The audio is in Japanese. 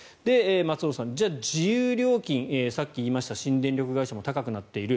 松尾さん、じゃあ自由料金さっき言いましたが新電力会社も高くなっている。